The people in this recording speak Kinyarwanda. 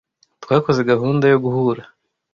Twakoze gahunda yo guhura